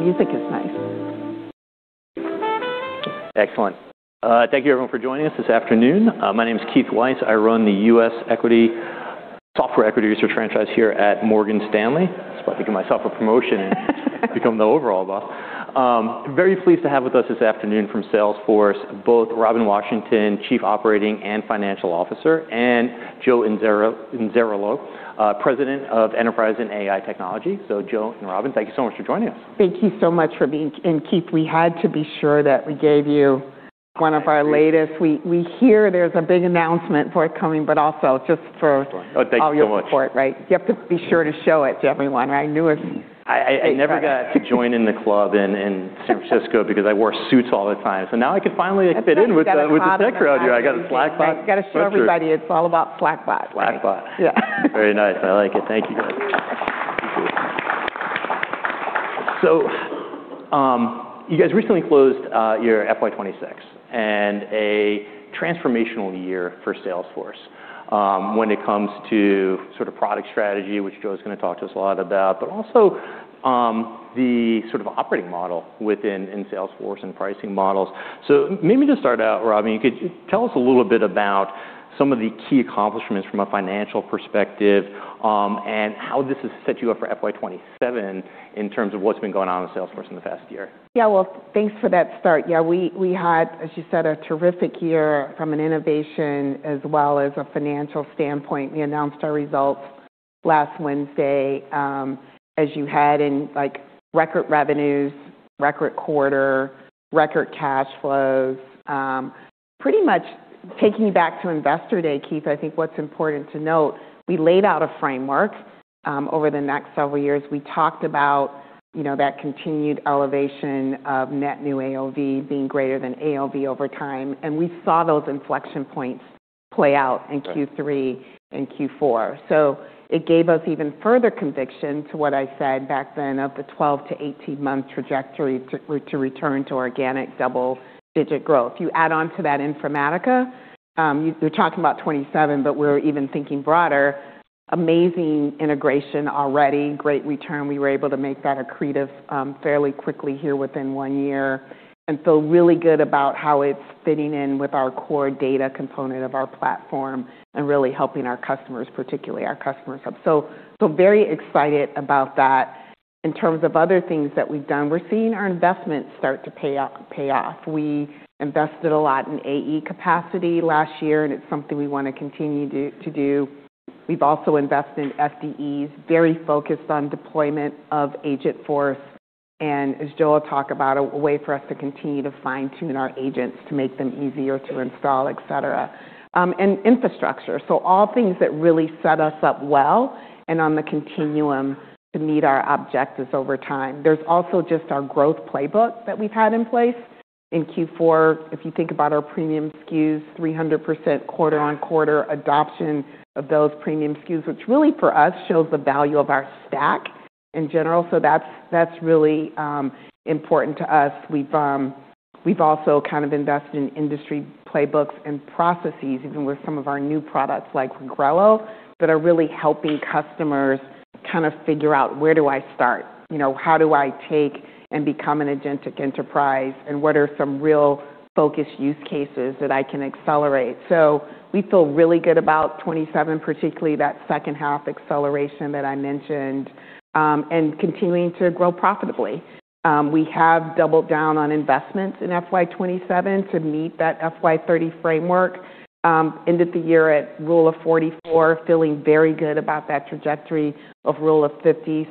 Music is nice. Excellent. Thank you everyone for joining us this afternoon. My name is Keith Weiss. I run the U.S. Software Equity Research franchise here at Morgan Stanley. Just about to give myself a promotion and become the overall boss. Very pleased to have with us this afternoon from Salesforce, both Robin Washington, Chief Operating and Financial Officer, and Joe Inzerillo, President of Enterprise and AI Technology. Joe and Robin, thank you so much for joining us. Thank you so much for being. Keith, we had to be sure that we gave you one of our latest. We hear there's a big announcement forthcoming. Oh, thank you so much. all your support, right? You have to be sure to show it to everyone. I knew it. I never got to join in the club in San Francisco because I wore suits all the time. Now I can finally fit in with the. That's why you gotta pause every now and then. with the tech crowd here. I got a Slackbot sweatshirt. You gotta show everybody it's all about Slackbot. Slackbot. Yeah. Very nice. I like it. Thank you. You guys recently closed your FY26 and a transformational year for Salesforce, when it comes to sort of product strategy, which Joe Inzerillo's gonna talk to us a lot about, but also the sort of operating model within, in Salesforce and pricing models. Maybe just start out, Robin, tell us a little bit about some of the key accomplishments from a financial perspective, and how this has set you up for FY27 in terms of what's been going on with Salesforce in the past year. Yeah. Well, thanks for that start. Yeah, we had, as you said, a terrific year from an innovation as well as a financial standpoint. We announced our results last Wednesday, as you had in, like, record revenues, record quarter, record cash flows. Pretty much taking it back to Investor Day, Keith, I think what's important to note, we laid out a framework over the next several years. We talked about, you know, that continued elevation of net new AOV being greater than AOV over time, and we saw those inflection points play out in Q3 and Q4. It gave us even further conviction to what I said back then of the 12 to 18-month trajectory to return to organic double-digit growth. You add on to that Informatica, you're talking about 27, but we're even thinking broader. Amazing integration already. Great return. We were able to make that accretive, fairly quickly here within one year and feel really good about how it's fitting in with our core data component of our platform and really helping our customers, particularly our customers up. Very excited about that. In terms of other things that we've done, we're seeing our investments start to pay off. We invested a lot in AE capacity last year, and it's something we wanna continue to do. We've also invested in SDEs, very focused on deployment of Agentforce, and as Joe will talk about, a way for us to continue to fine-tune our agents to make them easier to install, et cetera. And infrastructure. All things that really set us up well and on the continuum to meet our objectives over time. There's also just our growth playbook that we've had in place. In Q4, if you think about our premium SKUs, 300% quarter-on-quarter adoption of those premium SKUs, which really for us shows the value of our stack in general. That's really important to us. We've also kind of invested in industry playbooks and processes, even with some of our new products like Grello, that are really helping customers kind of figure out where do I start? You know, how do I take and become an agentic enterprise, and what are some real focused use cases that I can accelerate? We feel really good about 2027, particularly that second half acceleration that I mentioned, and continuing to grow profitably. We have doubled down on investments in FY 2027 to meet that FY 2030 framework. Ended the year at Rule of 44, feeling very good about that trajectory of Rule of 50.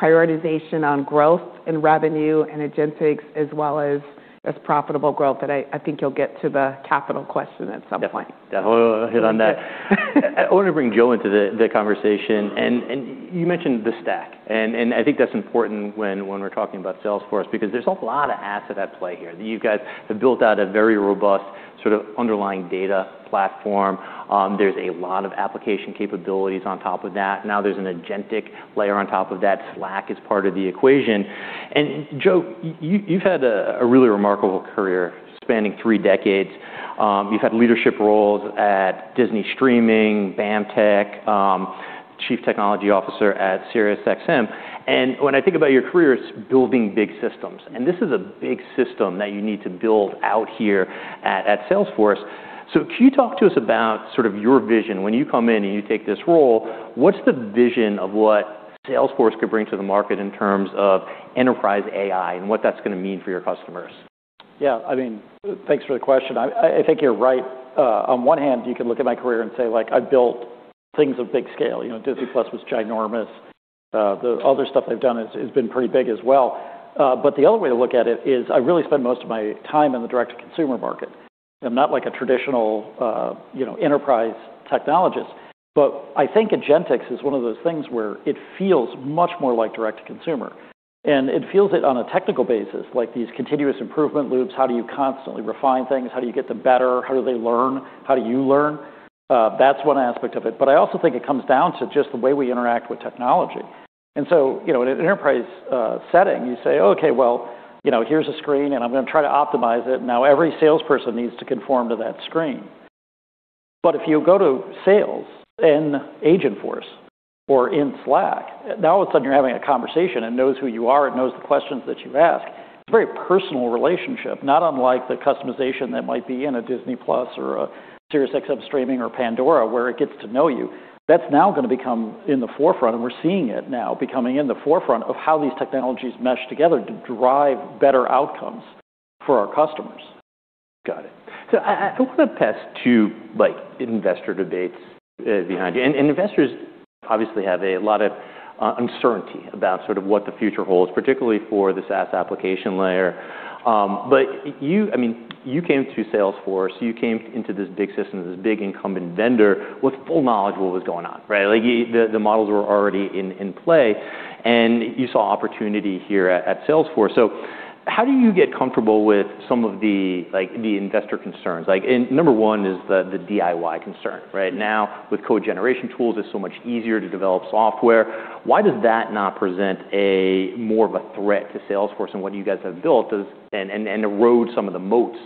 Prioritization on growth and revenue and Agentics as well as profitable growth that I think you'll get to the capital question at some point. Definitely. Definitely. I'll hit on that. I wanna bring Joe into the conversation. You mentioned the stack, and I think that's important when we're talking about Salesforce, because there's a lot of assets at play here. You guys have built out a very robust sort of underlying data platform. There's a lot of application capabilities on top of that. Now there's an agentic layer on top of that. Slack is part of the equation. Joe, you've had a really remarkable career spanning three decades. You've had leadership roles at Disney Streaming, BAMTech, Chief Technology Officer at SiriusXM. When I think about your career, it's building big systems, and this is a big system that you need to build out here at Salesforce. Can you talk to us about sort of your vision? When you come in and you take this role, what's the vision of what Salesforce could bring to the market in terms of enterprise AI and what that's gonna mean for your customers? Yeah, I mean, thanks for the question. I think you're right. On one hand, you can look at my career and say, like, I've built things of big scale. You know, Disney+ was ginormous. The other stuff I've done has been pretty big as well. The other way to look at it is I really spend most of my time in the direct-to-consumer market. I'm not like a traditional, you know, enterprise technologist. I think agentics is one of those things where it feels much more like direct to consumer, and it feels it on a technical basis. Like these continuous improvement loops, how do you constantly refine things? How do you get them better? How do they learn? How do you learn? That's one aspect of it. I also think it comes down to just the way we interact with technology. You know, in an enterprise setting, you say, "Okay, well, you know, here's a screen, and I'm gonna try to optimize it." Now every salesperson needs to conform to that screen. If you go to sales in Agentforce or in Slack, now all of a sudden you're having a conversation. It knows who you are, it knows the questions that you ask. It's a very personal relationship, not unlike the customization that might be in a Disney+ or a SiriusXM streaming or Pandora where it gets to know you. That's now gonna become in the forefront, and we're seeing it now becoming in the forefront of how these technologies mesh together to drive better outcomes for our customers. Got it. I wanna pass 2, like, investor debates behind you. Investors obviously have a lot of uncertainty about sort of what the future holds, particularly for the SaaS application layer. You, I mean, you came to Salesforce, you came into this big system, this big incumbent vendor with full knowledge what was going on, right? The, the models were already in play, and you saw opportunity here at Salesforce. How do you get comfortable with some of the, like, the investor concerns? Number 1 is the DIY concern, right? Now, with code generation tools, it's so much easier to develop software. Why does that not present a more of a threat to Salesforce and what you guys have built and erode some of the moats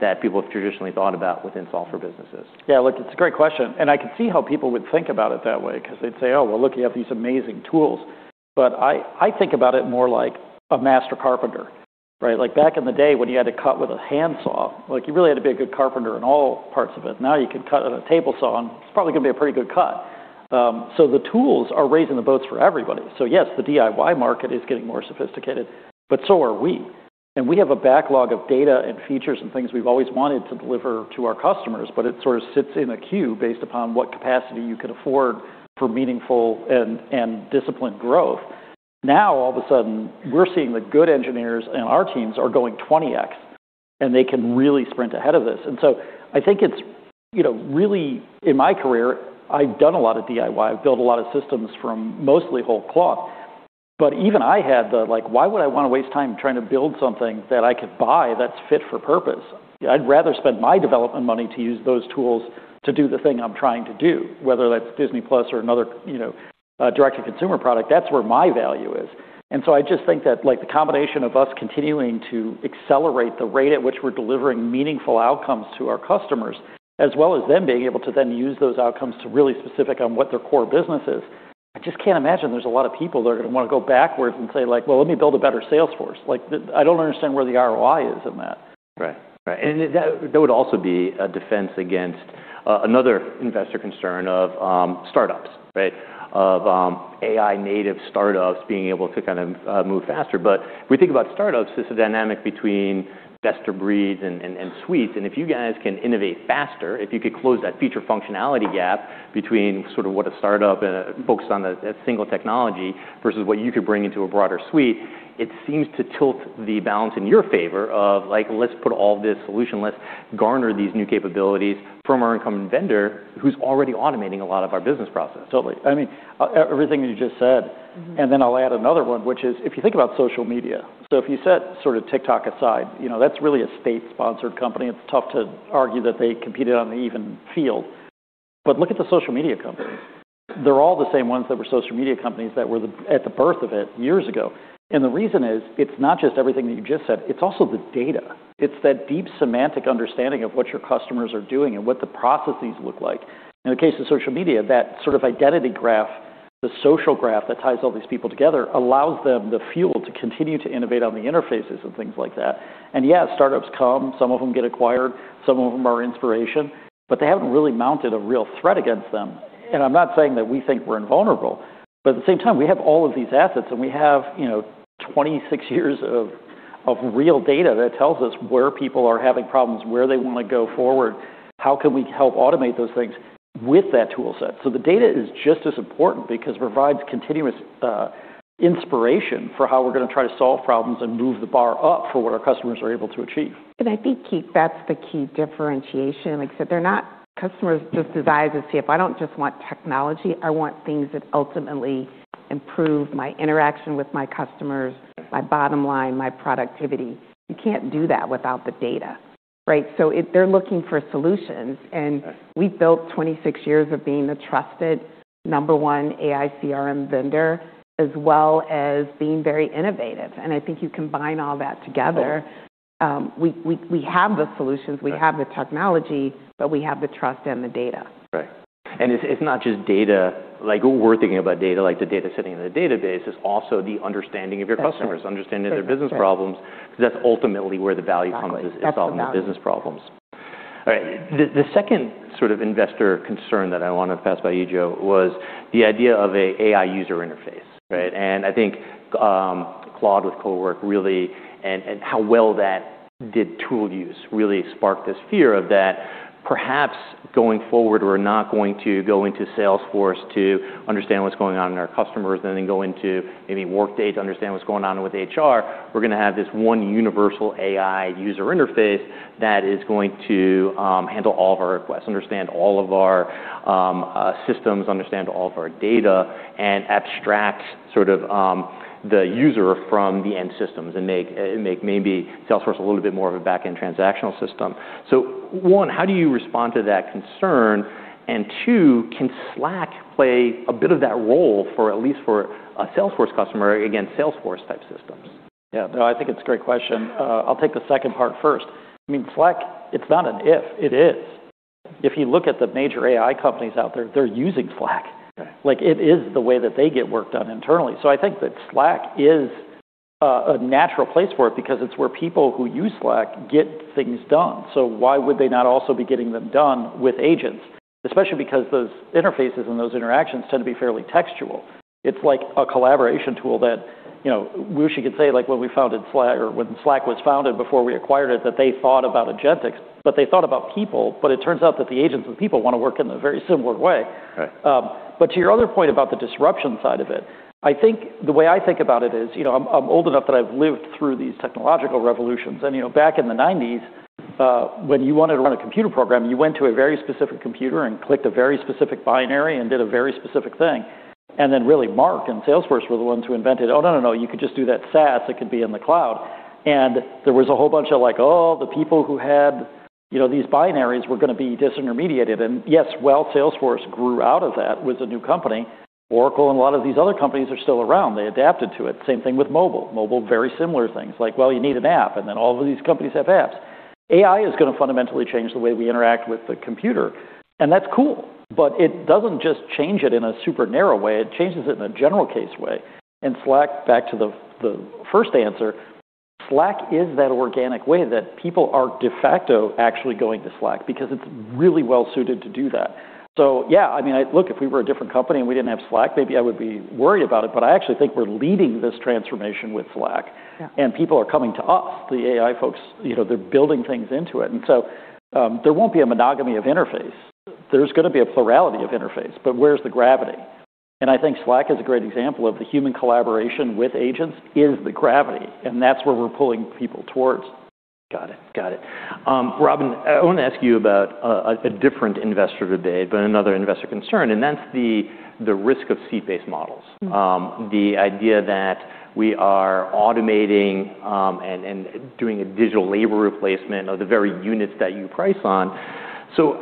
that people have traditionally thought about within software businesses? Yeah, look, it's a great question, and I can see how people would think about it that way because they'd say, "Oh, well, look, you have these amazing tools." I think about it more like a master carpenter, right? Like back in the day when you had to cut with a handsaw, like you really had to be a good carpenter in all parts of it. Now you can cut on a table saw and it's probably gonna be a pretty good cut. The tools are raising the boats for everybody. Yes, the DIY market is getting more sophisticated, but so are we. We have a backlog of data and features and things we've always wanted to deliver to our customers, but it sort of sits in a queue based upon what capacity you could afford for meaningful and disciplined growth. Now all of a sudden, we're seeing the good engineers in our teams are going 20x, and they can really sprint ahead of this. I think it's, you know, really in my career, I've done a lot of DIY. I've built a lot of systems from mostly whole cloth. Even I had the, like, why would I wanna waste time trying to build something that I could buy that's fit for purpose? I'd rather spend my development money to use those tools to do the thing I'm trying to do, whether that's Disney+ or another, you know, direct to consumer product. That's where my value is. I just think that, like, the combination of us continuing to accelerate the rate at which we're delivering meaningful outcomes to our customers, as well as them being able to then use those outcomes to really specific on what their core business is, I just can't imagine there's a lot of people that are gonna wanna go backwards and say, like, "Well, let me build a better Salesforce." Like, the, I don't understand where the ROI is in that. Right. Right. That, that would also be a defense against another investor concern of startups, right? Of AI native startups being able to kind of move faster. If we think about startups, it's a dynamic between best of breeds and suites. If you guys can innovate faster, if you could close that feature functionality gap between sort of what a startup books on a single technology versus what you could bring into a broader suite, it seems to tilt the balance in your favor of, like, let's put all this solution, let's garner these new capabilities from our incumbent vendor who's already automating a lot of our business processes. Totally. I mean, everything you just said, and then I'll add another one, which is if you think about social media. If you set sort of TikTok aside, you know, that's really a state-sponsored company. It's tough to argue that they competed on the even field. Look at the social media companies. They're all the same ones that were social media companies that were at the birth of it years ago. The reason is, it's not just everything that you just said, it's also the data. It's that deep semantic understanding of what your customers are doing and what the processes look like. In the case of social media, that sort of identity graph, the social graph that ties all these people together allows them the fuel to continue to innovate on the interfaces and things like that. Yeah, startups come, some of them get acquired, some of them are inspiration, but they haven't really mounted a real threat against them. I'm not saying that we think we're invulnerable, but at the same time, we have all of these assets, and we have, you know, 26 years of real data that tells us where people are having problems, where they wanna go forward, how can we help automate those things with that tool set. The data is just as important because it provides continuous inspiration for how we're gonna try to solve problems and move the bar up for what our customers are able to achieve. I think, Keith, that's the key differentiation. Like I said, they're not customers just desire to see if I don't just want technology, I want things that ultimately improve my interaction with my customers, my bottom line, my productivity. You can't do that without the data, right? They're looking for solutions, and we've built 26 years of being the trusted number one AI CRM vendor, as well as being very innovative. I think you combine all that together, we have the solutions, we have the technology, but we have the trust and the data. Right. It's not just data. Like, we're thinking about data, like the data sitting in the database. It's also the understanding of your customers, understanding their business problems, 'cause that's ultimately where the value comes is solving the business problems. All right. The second sort of investor concern that I wanna pass by you, Joe, was the idea of a AI user interface, right? I think Claude with CoWork really, and how well that did tool use really sparked this fear of that perhaps going forward, we's not going to go into Salesforce to understand what's going on in our customers and then go into maybe Workday to understand what's going on with HR. We're gonna have this one universal AI user interface that is going to handle all of our requests, understand all of our systems, understand all of our data, and abstract sort of the user from the end systems and make maybe Salesforce a little bit more of a back-end transactional system. One, how do you respond to that concern? Two, can Slack play a bit of that role for at least for a Salesforce customer against Salesforce type systems? Yeah. No, I think it's a great question. I'll take the second part first. I mean, Slack, it's not an if, it is. If you look at the major AI companies out there, they're using Slack. Right. It is the way that they get work done internally. I think that Slack is a natural place for it because it's where people who use Slack get things done. Why would they not also be getting them done with agents? Especially because those interfaces and those interactions tend to be fairly textual. It's like a collaboration tool that, you know, Stewart Butterfield could say, like, when we founded Slack or when Slack was founded, before we acquired it, that they thought about agentics, but they thought about people, but it turns out that the agents and people wanna work in a very similar way. Right. But to your other point about the disruption side of it, I think the way I think about it is, you know, I'm old enough that I've lived through these technological revolutions. You know, back in the nineties, when you wanted to run a computer program, you went to a very specific computer and clicked a very specific binary and did a very specific thing. Then really Marc and Salesforce were the ones who invented, "Oh, no, no, you could just do that SaaS, it could be in the cloud." There was a whole bunch of like, oh, the people who had, you know, these binaries were gonna be disintermediated. Yes, well, Salesforce grew out of that with a new company. Oracle and a lot of these other companies are still around. They adapted to it. Same thing with mobile. Mobile, very similar things. Like, well, you need an app, and then all of these companies have apps. AI is gonna fundamentally change the way we interact with the computer, and that's cool, but it doesn't just change it in a super narrow way, it changes it in a general case way. Slack, back to the first answer, Slack is that organic way that people are de facto actually going to Slack because it's really well-suited to do that. Yeah, I mean, Look, if we were a different company and we didn't have Slack, maybe I would be worried about it, but I actually think we're leading this transformation with Slack. Yeah. People are coming to us, the AI folks, you know, they're building things into it. There won't be a monogamy of interface. There's gonna be a plurality of interface, but where's the gravity? I think Slack is a great example of the human collaboration with agents is the gravity, and that's where we're pulling people towards. Got it. Robin, I wanna ask you about a different investor today, another investor concern, and that's the risk of seat-based models. Mm-hmm. The idea that we are automating, and doing a digital labor replacement of the very units that you price on.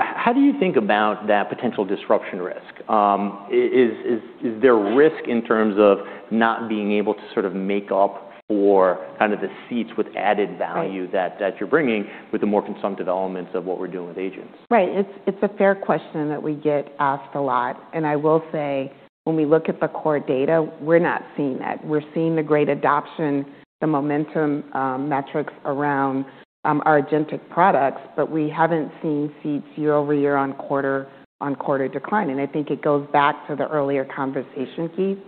How do you think about that potential disruption risk? Is there risk in terms of not being able to sort of make up for kind of the seats with added value... Right that you're bringing with the more consumptive elements of what we're doing with agents? Right. It's a fair question that we get asked a lot. I will say, when we look at the core data, we're not seeing that. We're seeing the great adoption, the momentum, metrics around our agentic products, but we haven't seen seats year-over-year on quarter-over-quarter decline. I think it goes back to the earlier conversation, Keith.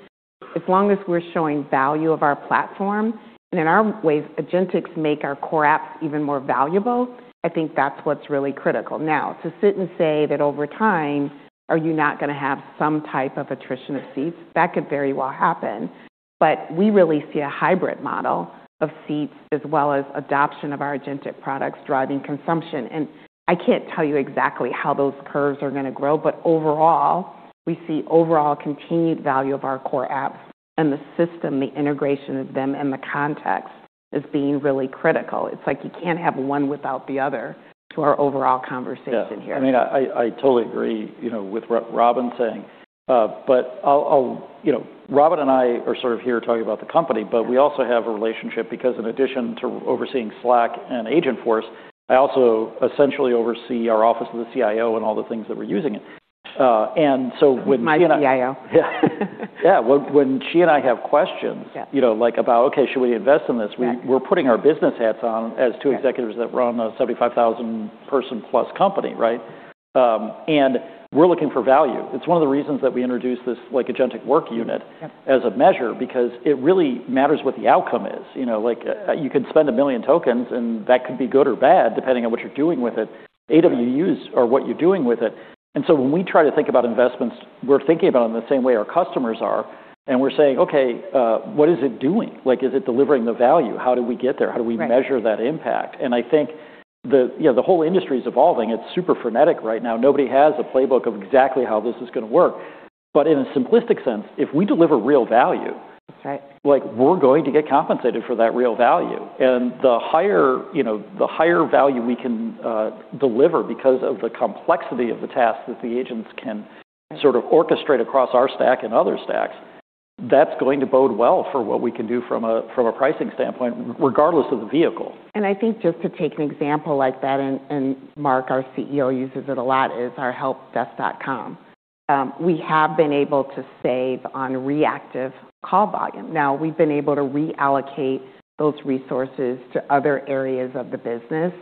As long as we're showing value of our platform, and in our ways, agentics make our core apps even more valuable, I think that's what's really critical. Now, to sit and say that over time, are you not gonna have some type of attrition of seats, that could very well happen. We really see a hybrid model of seats as well as adoption of our agentic products driving consumption. I can't tell you exactly how those curves are gonna grow, but overall, we see overall continued value of our core apps and the system, the integration of them and the context as being really critical. It's like you can't have one without the other to our overall conversation here. Yeah. I mean, I totally agree, you know, with Robin saying. I'll... You know, Robin and I are sort of here talking about the company. Yeah. We also have a relationship because in addition to overseeing Slack and Agentforce, I also essentially oversee our office of the CIO and all the things that we're using it. When she and I. With my CIO. Yeah. Yeah. When she and I have questions. Yeah... you know, like about, okay, should we invest in this? Right. We're putting our business hats on as two executives that run a 75,000 person plus company, right? We're looking for value. It's one of the reasons that we introduced this, like, Agentic Work Unit- Yeah... as a measure because it really matters what the outcome is. You know, like, you could spend 1 million tokens, and that could be good or bad depending on what you're doing with it. Right. AWUs are what you're doing with it. When we try to think about investments, we're thinking about them the same way our customers are, and we're saying, "Okay, what is it doing? Like, is it delivering the value? How do we get there? How do we measure that impact? Right. I think the, you know, the whole industry is evolving. It's super frenetic right now. Nobody has a playbook of exactly how this is gonna work. In a simplistic sense, if we deliver real value- That's right. like, we're going to get compensated for that real value. The higher, you know, the higher value we can deliver because of the complexity of the tasks that the agents can sort of orchestrate across our stack and other stacks, that's going to bode well for what we can do from a, from a pricing standpoint, regardless of the vehicle. I think just to take an example like that, and Marc, our CEO, uses it a lot, is our helpdesk.com. We have been able to save on reactive call volume. Now, we've been able to reallocate those resources to other areas of the business.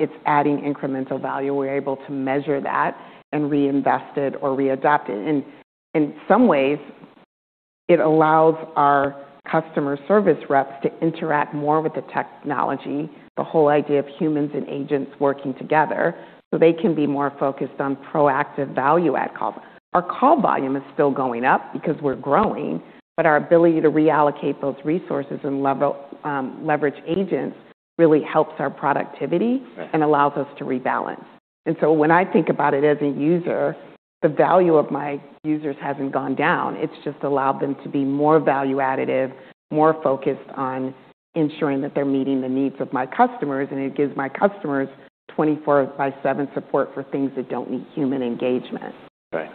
It's adding incremental value. We're able to measure that and reinvest it or readapt it. In some ways, it allows our customer service reps to interact more with the technology, the whole idea of humans and agents working together, so they can be more focused on proactive value add calls. Our call volume is still going up because we're growing, but our ability to reallocate those resources and leverage agents really helps our productivity. Right... and allows us to rebalance. When I think about it as a user, the value of my users hasn't gone down. It's just allowed them to be more value additive, more focused on ensuring that they're meeting the needs of my customers. It gives my customers 24 by 7 support for things that don't need human engagement. Right.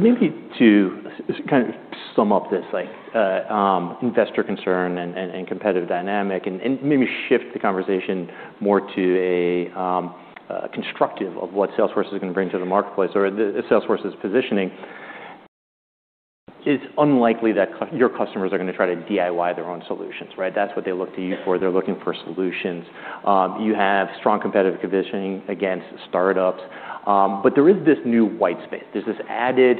Maybe to kind of sum up this, like, investor concern and competitive dynamic and maybe shift the conversation more to a constructive of what Salesforce is gonna bring to the marketplace or the Salesforce's positioning. It's unlikely that your customers are gonna try to DIY their own solutions, right? That's what they look to you for. They're looking for solutions. You have strong competitive positioning against startups. There is this new white space. There's this added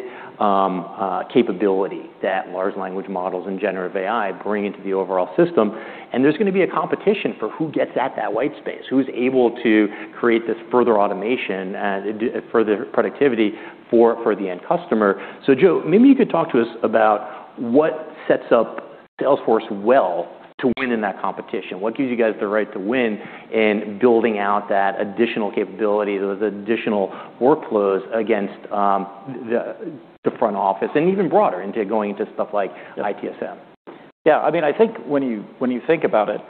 capability that large language models and generative AI bring into the overall system, and there's gonna be a competition for who gets at that white space, who's able to create this further automation and further productivity for the end customer. Joe, maybe you could talk to us about what sets up Salesforce well to win in that competition. What gives you guys the right to win in building out that additional capability, those additional workflows against the front office and even broader into going into stuff like ITSM? Yeah. I mean, I think when you think about it,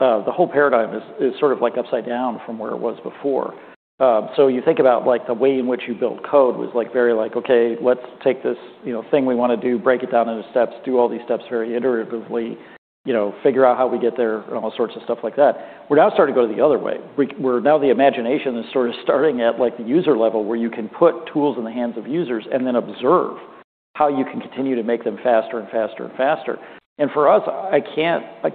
the whole paradigm is sort of like upside down from where it was before. You think about, like, the way in which you build code was, like, very like, okay, let's take this, you know, thing we wanna do, break it down into steps, do all these steps very iteratively, you know, figure out how we get there, and all sorts of stuff like that. We're now starting to go the other way. Where now the imagination is sort of starting at, like, the user level where you can put tools in the hands of users and then observe how you can continue to make them faster and faster and faster. For us, I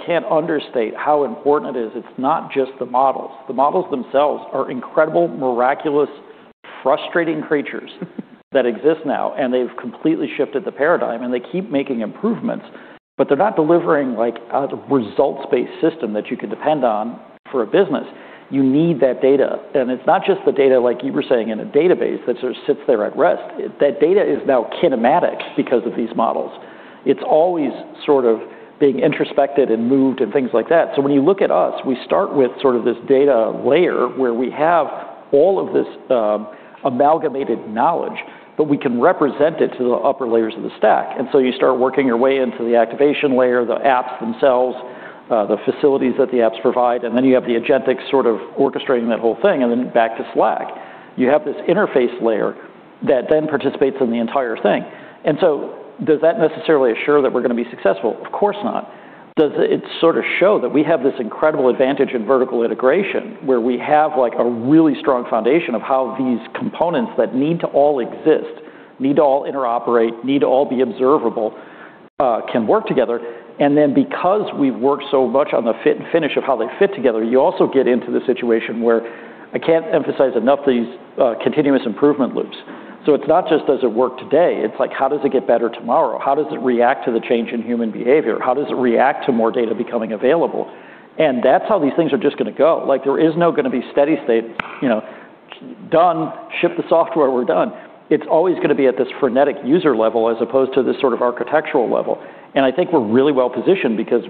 can't understate how important it is. It's not just the models. The models themselves are incredible, miraculous, frustrating creatures, that exist now, and they've completely shifted the paradigm, and they keep making improvements. They're not delivering, like, a results-based system that you can depend on for a business. You need that data. It's not just the data, like you were saying, in a database that sort of sits there at rest. That data is now kinematic because of these models. It's always sort of being introspected and moved and things like that. When you look at us, we start with sort of this data layer where we have all of this, amalgamated knowledge, but we can represent it to the upper layers of the stack. You start working your way into the activation layer, the apps themselves, the facilities that the apps provide, and then you have the agentic sort of orchestrating that whole thing, and then back to Slack. You have this interface layer that then participates in the entire thing. Does that necessarily assure that we're gonna be successful? Of course not. Does it sort of show that we have this incredible advantage in vertical integration where we have, like, a really strong foundation of how these components that need to all exist, need to all interoperate, need to all be observable, can work together. Because we've worked so much on the fit and finish of how they fit together, you also get into the situation where I can't emphasize enough these continuous improvement loops. It's not just does it work today, it's like, how does it get better tomorrow? How does it react to the change in human behavior? How does it react to more data becoming available? That's how these things are just gonna go. Like, there is no gonna be steady state, you know, done, ship the software, we're done. It's always gonna be at this frenetic user level as opposed to this sort of architectural level. I think we're really well-positioned because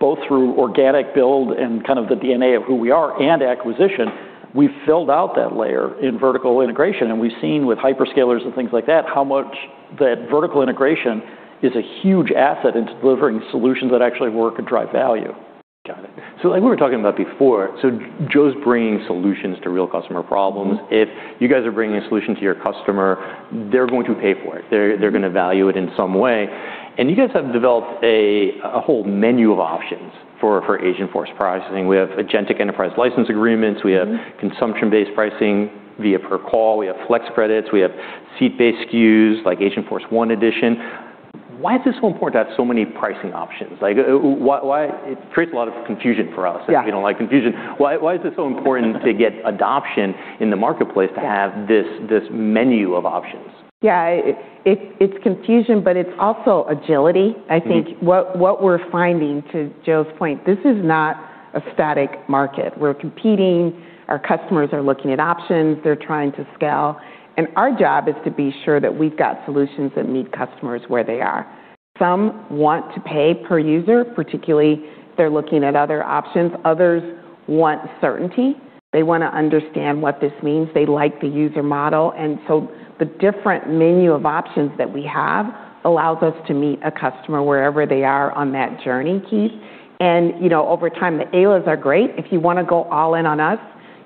both through organic build and kind of the DNA of who we are and acquisition, we've filled out that layer in vertical integration, and we've seen with hyperscalers and things like that how much that vertical integration is a huge asset into delivering solutions that actually work and drive value. Got it. Like we were talking about before, Joe's bringing solutions to real customer problems. If you guys are bringing a solution to your customer, they're going to pay for it. They're gonna value it in some way. You guys have developed a whole menu of options for Agentforce pricing. We have Agentic Enterprise License Agreements. We have consumption-based pricing via per call. We have Flex Credits. We have seat-based SKUs like Agentforce One Edition. Why is it so important to have so many pricing options? Like, it creates a lot of confusion for us. Yeah. We don't like confusion. Why is it so important to get adoption in the marketplace to have this menu of options? Yeah. It's confusion, but it's also agility. Mm-hmm. I think what we're finding, to Joe's point, this is not a static market. We're competing. Our customers are looking at options. They're trying to scale. Our job is to be sure that we've got solutions that meet customers where they are. Some want to pay per user, particularly if they're looking at other options. Others want certainty. They wanna understand what this means. They like the user model. The different menu of options that we have allows us to meet a customer wherever they are on that journey, Keith. You know, over time, the AELAs are great. If you wanna go all in on us,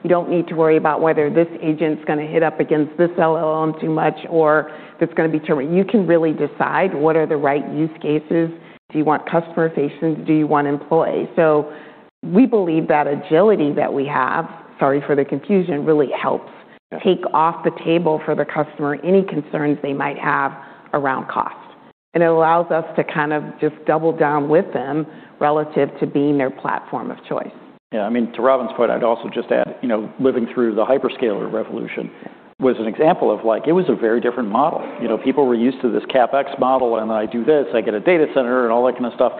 you don't need to worry about whether this agent's gonna hit up against this LLM too much or if it's gonna be too. You can really decide what are the right use cases. Do you want customer-facing? Do you want employee? We believe that agility that we have, sorry for the confusion, really helps take off the table for the customer any concerns they might have around cost. It allows us to kind of just double down with them relative to being their platform of choice. I mean, to Robin's point, I'd also just add, you know, living through the hyperscaler revolution was an example of, like, it was a very different model. You know, people were used to this CapEx model, and I do this, I get a data center, and all that kind of stuff.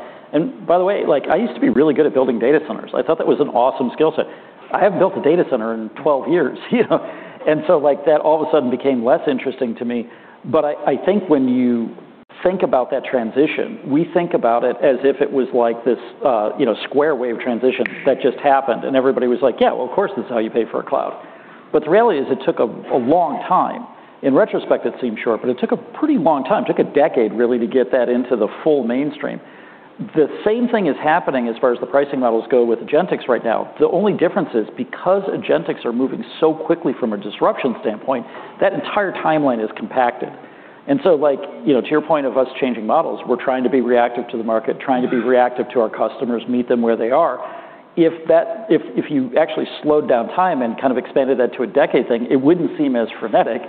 By the way, like, I used to be really good at building data centers. I thought that was an awesome skill set. I haven't built a data center in 12 years, you know? Like, that all of a sudden became less interesting to me. I think when you think about that transition, we think about it as if it was like this, you know, square wave transition that just happened, and everybody was like, "Yeah, well, of course, this is how you pay for a cloud." The reality is it took a long time. In retrospect, it seems short, but it took a pretty long time. Took a decade, really, to get that into the full mainstream. The same thing is happening as far as the pricing models go with agentics right now. The only difference is because agentics are moving so quickly from a disruption standpoint, that entire timeline is compacted. Like, you know, to your point of us changing models, we're trying to be reactive to the market, trying to be reactive to our customers, meet them where they are. If you actually slowed down time and kind of expanded that to a decade thing, it wouldn't seem as frenetic.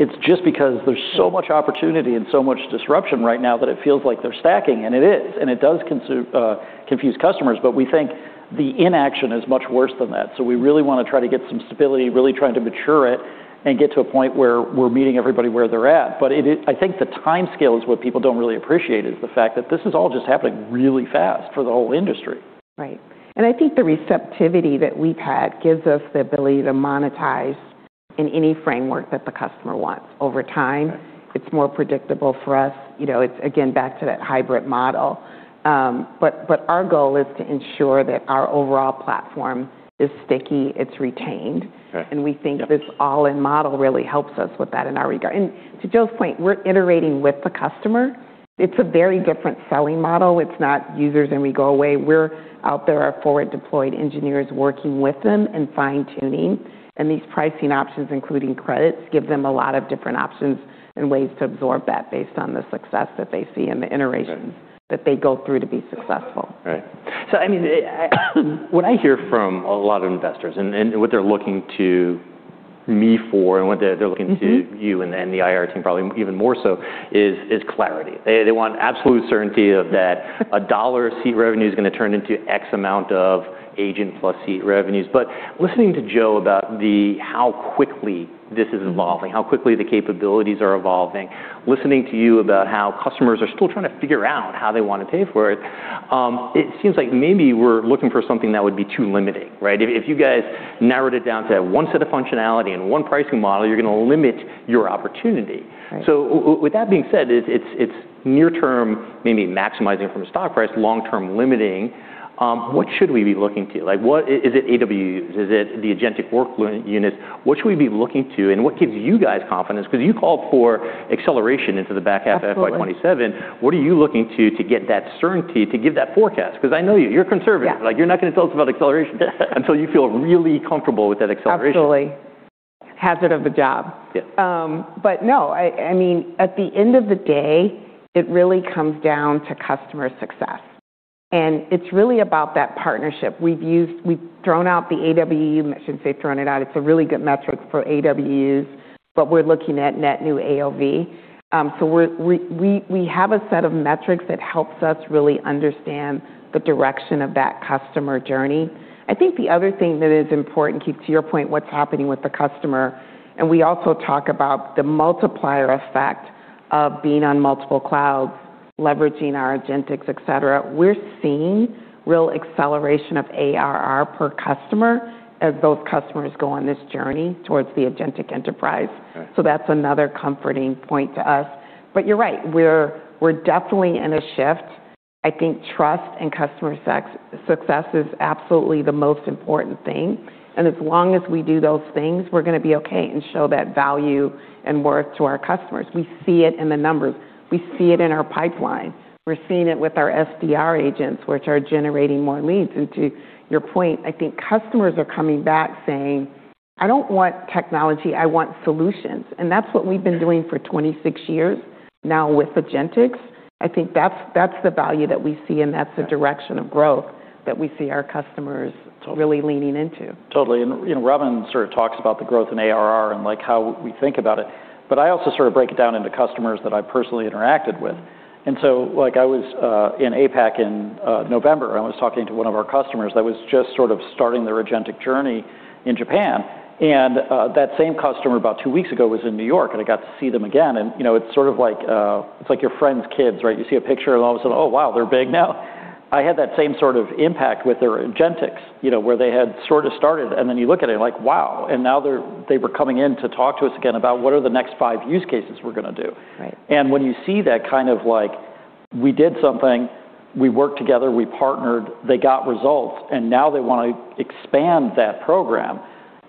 It's just because there's so much opportunity and so much disruption right now that it feels like they're stacking, and it is. It does confuse customers, but we think the inaction is much worse than that. We really wanna try to get some stability, really trying to mature it and get to a point where we're meeting everybody where they're at. I think the timescale is what people don't really appreciate is the fact that this is all just happening really fast for the whole industry. Right. I think the receptivity that we've had gives us the ability to monetize in any framework that the customer wants. Over time. Right... it's more predictable for us. You know, it's again back to that hybrid model. Our goal is to ensure that our overall platform is sticky, it's retained. Right. We think this all-in model really helps us with that in our regard. To Joe's point, we're iterating with the customer. It's a very different selling model. It's not users and we go away. We're out there, our forward deployed engineers working with them and fine-tuning, and these pricing options, including credits, give them a lot of different options and ways to absorb that based on the success that they see and the iterations. Right that they go through to be successful. Right. I mean, what I hear from a lot of investors and what they're looking to me for and what they're looking to… Mm-hmm... you and the IR team probably even more so is clarity. They want absolute certainty of that $1 of seat revenue is gonna turn into X amount of agent plus seat revenues. Listening to Joe about how quickly this is evolving. Mm-hmm how quickly the capabilities are evolving, listening to you about how customers are still trying to figure out how they wanna pay for it seems like maybe we're looking for something that would be too limiting, right? If you guys narrowed it down to one set of functionality and one pricing model, you're gonna limit your opportunity. Right. With that being said, it's near term, maybe maximizing from a stock price, long-term limiting. What should we be looking to? Like what... Is it AWUs? Is it the Agentic Work Unit? What should we be looking to, and what gives you guys confidence, because you called for acceleration into the back half of FY27? Absolutely. What are you looking to get that certainty to give that forecast? 'Cause I know you. You're conservative. Yeah. Like, you're not gonna tell us about acceleration until you feel really comfortable with that acceleration. Absolutely. Hazard of the job. Yeah. No, I mean, at the end of the day, it really comes down to customer success, and it's really about that partnership. We've thrown out the AWU. I shouldn't say thrown it out. It's a really good metric for AWUs, but we're looking at net new AOV. We have a set of metrics that helps us really understand the direction of that customer journey. I think the other thing that is important, Keith, to your point, what's happening with the customer, and we also talk about the multiplier effect of being on multiple clouds, leveraging our agentics, et cetera. We're seeing real acceleration of ARR per customer as those customers go on this journey towards the agentic enterprise. Right. That's another comforting point to us. You're right, we're definitely in a shift. I think trust and customer success is absolutely the most important thing, and as long as we do those things, we're gonna be okay and show that value and worth to our customers. We see it in the numbers. We see it in our pipeline. We're seeing it with our SDR agents, which are generating more leads. To your point, I think customers are coming back saying, "I don't want technology. I want solutions." That's what we've been doing for 26 years now with agentics. I think that's the value that we see, and that's the direction of growth that we see our customers- Totally... really leaning into. Totally. You know, Robin sort of talks about the growth in ARR and, like, how we think about it, but I also sort of break it down into customers that I've personally interacted with. So, like, I was in APAC in November. I was talking to one of our customers that was just sort of starting their agentic journey in Japan. That same customer about two weeks ago was in New York, and I got to see them again. You know, it's sort of like, it's like your friend's kids, right? You see a picture, and all of a sudden, oh, wow, they're big now. I had that same sort of impact with their agentics, you know, where they had sort of started, and then you look at it like, wow. Now they were coming in to talk to us again about what are the next five use cases we're gonna do. Right. When you see that kind of like we did something, we worked together, we partnered, they got results, and now they wanna expand that program. You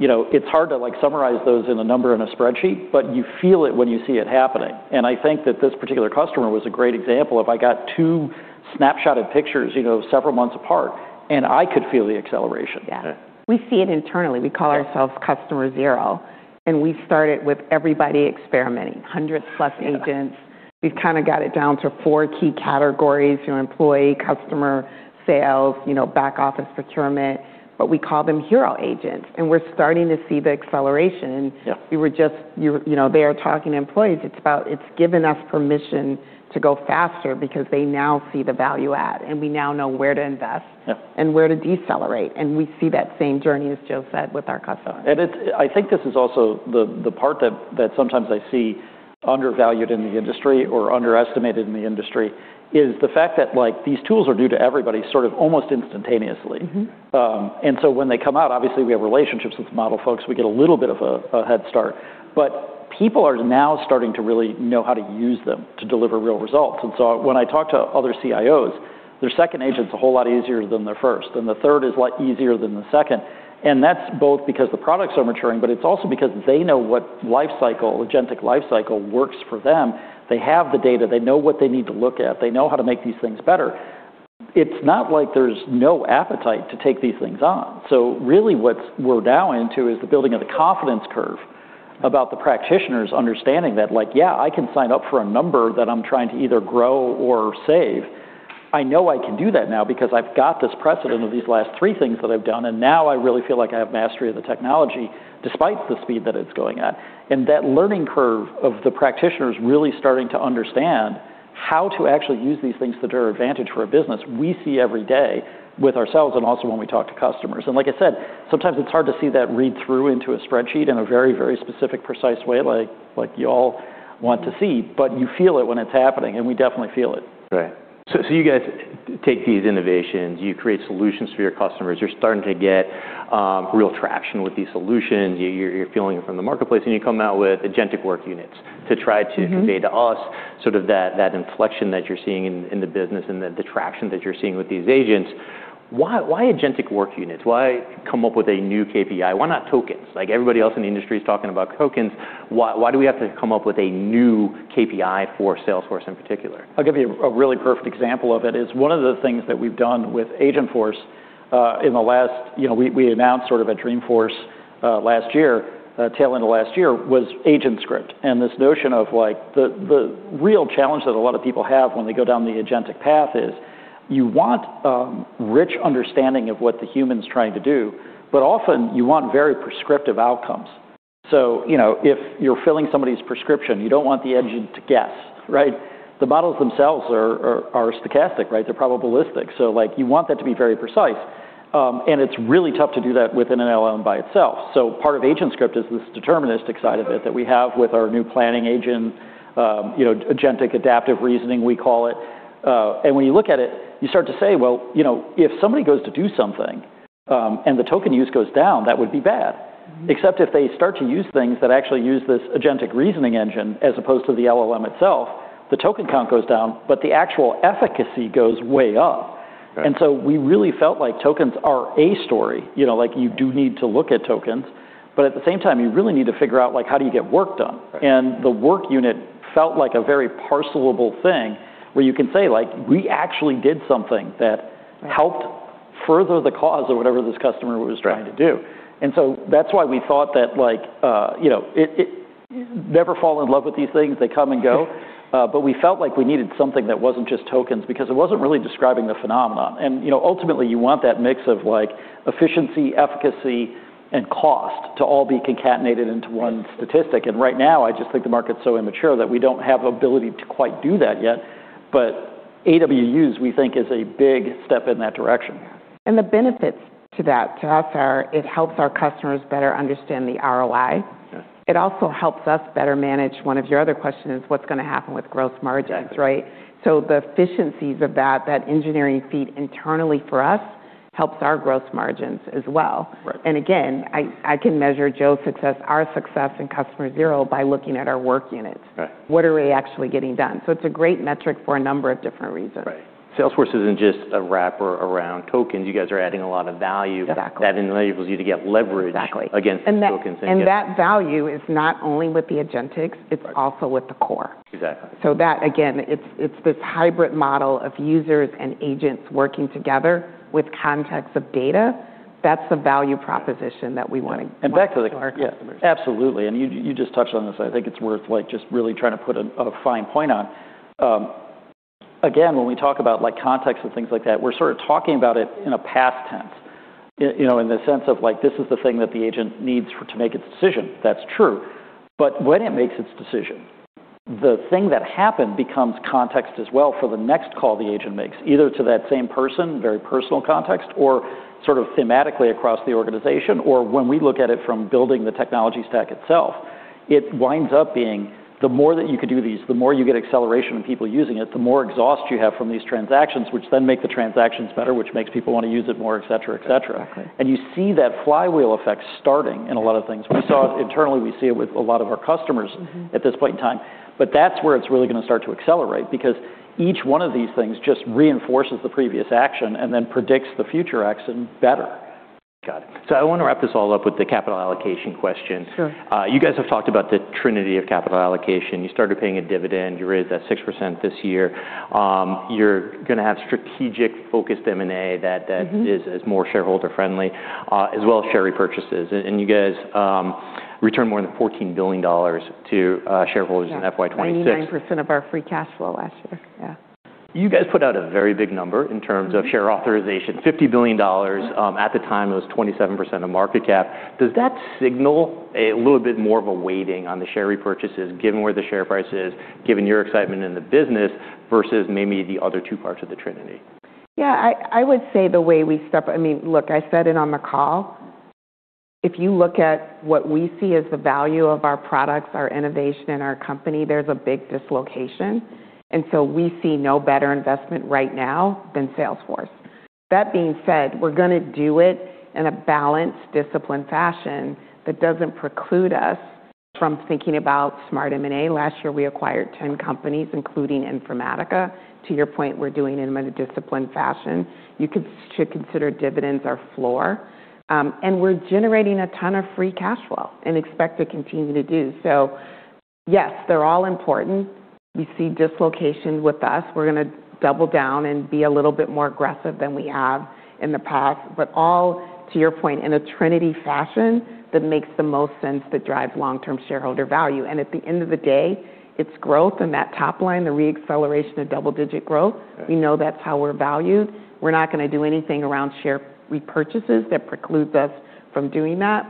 know, it's hard to, like, summarize those in a number in a spreadsheet, but you feel it when you see it happening. I think that this particular customer was a great example of I got two snapshotted pictures, you know, several months apart, and I could feel the acceleration. Yeah. Yeah. We see it internally. We call ourselves customer zero. We started with everybody experimenting, 100+ agents. We've kind of got it down to four key categories, you know, employee, customer, sales, you know, back office procurement. We call them hero agents. We're starting to see the acceleration. Yeah. You know, they are talking to employees. It's given us permission to go faster because they now see the value add, we now know where to invest. Yeah... and where to decelerate, and we see that same journey, as Joe said, with our customers. I think this is also the part that sometimes I see undervalued in the industry or underestimated in the industry is the fact that, like, these tools are new to everybody sort of almost instantaneously. Mm-hmm. When they come out, obviously, we have relationships with the model folks. We get a little bit of a head start. People are now starting to really know how to use them to deliver real results. When I talk to other CIOs, their second agent's a whole lot easier than their first, and the third is lot easier than the second, and that's both because the products are maturing, but it's also because they know what life cycle, agentic life cycle works for them. They have the data. They know what they need to look at. They know how to make these things better. It's not like there's no appetite to take these things on. Really what's we're now into is the building of the confidence curve about the practitioners understanding that, like, yeah, I can sign up for a number that I'm trying to either grow or save. I know I can do that now because I've got this precedent of these last three things that I've done, and now I really feel like I have mastery of the technology despite the speed that it's going at. That learning curve of the practitioners really starting to understand how to actually use these things that are advantage for a business we see every day with ourselves and also when we talk to customers. Like I said, sometimes it's hard to see that read through into a spreadsheet in a very, very specific, precise way like you all want to see, but you feel it when it's happening, and we definitely feel it. Right. You guys take these innovations, you create solutions for your customers. You're starting to get real traction with these solutions. You're feeling it from the marketplace, you come out with Agentic Work Units. Mm-hmm... convey to us sort of that inflection that you're seeing in the business and the traction that you're seeing with these agents? Why Agentic Work Units? Why come up with a new KPI? Why not tokens? Like, everybody else in the industry is talking about tokens? Why do we have to come up with a new KPI for Salesforce in particular? I'll give you a really perfect example of it, is one of the things that we've done with Agentforce. You know, we announced sort of at Dreamforce, last year, tail end of last year, was Agent Script. This notion of like the real challenge that a lot of people have when they go down the agentic path is you want a rich understanding of what the human's trying to do, but often you want very prescriptive outcomes. You know, if you're filling somebody's prescription, you don't want the agent to guess, right? The models themselves are stochastic, right? They're probabilistic. Like, you want that to be very precise. It's really tough to do that within an LLM by itself. Part of Agent Script is this deterministic side of it that we have with our new planning agent, you know, agentic adaptive reasoning, we call it. When you look at it, you start to say, well, you know, if somebody goes to do something, and the token use goes down, that would be bad. Mm-hmm. If they start to use things that actually use this agentic reasoning engine as opposed to the LLM itself, the token count goes down, but the actual efficacy goes way up. Right. We really felt like tokens are a story. You know, like, you do need to look at tokens, but at the same time, you really need to figure out, like, how do you get work done? Right. The work unit felt like a very parcelable thing where you can say, like, we actually did something. Right... helped further the cause of whatever this customer was trying to do. Right. That's why we thought that, like, you know, Never fall in love with these things. They come and go. We felt like we needed something that wasn't just tokens because it wasn't really describing the phenomenon. You know, ultimately you want that mix of like efficiency, efficacy, and cost to all be concatenated into one statistic. Right now, I just think the market's so immature that we don't have ability to quite do that yet. AWUs, we think, is a big step in that direction. The benefits to that, to us are it helps our customers better understand the ROI. Yes. It also helps us better manage one of your other questions, what's gonna happen with gross margins, right? Right. The efficiencies of that engineering feat internally for us helps our gross margins as well. Right. Again, I can measure Joe's success, our success, and customer zero by looking at our work units. Right. What are we actually getting done? It's a great metric for a number of different reasons. Right. Salesforce isn't just a wrapper around tokens. You guys are adding a lot of value- Exactly that enables you to get leverage- Exactly... against the tokens and That value is not only with the agentics- Right it's also with the core. Exactly. That, again, it's this hybrid model of users and agents working together with context of data. That's the value proposition that we want. And back to the- our customers. Yeah. Absolutely. You just touched on this. I think it's worth, like, just really trying to put a fine point on. Again, when we talk about like context and things like that, we're sort of talking about it in a past tense. you know, in the sense of like, this is the thing that the agent needs to make its decision. That's true. When it makes its decision, the thing that happened becomes context as well for the next call the agent makes, either to that same person, very personal context, or sort of thematically across the organization, or when we look at it from building the technology stack itself, it winds up being the more that you can do these, the more you get acceleration of people using it, the more exhaust you have from these transactions, which then make the transactions better, which makes people want to use it more, et cetera, et cetera. Exactly. You see that flywheel effect starting in a lot of things. Mm-hmm. We saw it internally. We see it with a lot of our customers. Mm-hmm at this point in time. That's where it's really gonna start to accelerate because each one of these things just reinforces the previous action and then predicts the future action better. Got it. I want to wrap this all up with the capital allocation question. Sure. You guys have talked about the trinity of capital allocation. You started paying a dividend. You raised that 6% this year. You're gonna have strategic-focused M&A that. Mm-hmm... is more shareholder friendly, as well as share repurchases. You guys, returned more than $14 billion to shareholders in FY26. Yeah. 99% of our free cash flow last year. Yeah. You guys put out a very big number in terms of- Mm-hmm... share authorization, $50 billion. At the time it was 27% of market cap. Does that signal a little bit more of a weighting on the share repurchases given where the share price is, given your excitement in the business versus maybe the other two parts of the trinity? Yeah. I would say the way we step... I mean, look, I said it on the call. If you look at what we see as the value of our products, our innovation in our company, there's a big dislocation. We see no better investment right now than Salesforce. That being said, we're gonna do it in a balanced, disciplined fashion that doesn't preclude us from thinking about smart M&A. Last year we acquired 10 companies, including Informatica. To your point, we're doing it in a disciplined fashion. You should consider dividends our floor. We're generating a ton of free cash flow and expect to continue to do so. Yes, they're all important. We see dislocation with us. We're gonna double down and be a little bit more aggressive than we have in the past. All, to your point, in a trinity fashion that makes the most sense to drive long-term shareholder value. At the end of the day, it's growth and that top line, the re-acceleration of double-digit growth. Right. We know that's how we're valued. We're not gonna do anything around share repurchases that precludes us from doing that.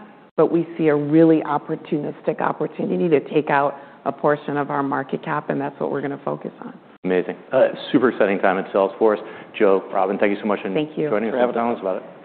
We see a really opportunistic opportunity to take out a portion of our market cap. That's what we're gonna focus on. Amazing. Super exciting time at Salesforce. Joe, Robin, thank you so much. Thank you. joining us. Yeah, no, what's about it?